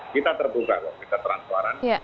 kita terbuka waktu kita transporan